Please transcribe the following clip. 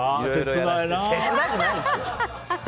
切なくないですよ。